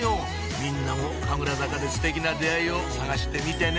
みんなも神楽坂でステキな出会いを探してみてね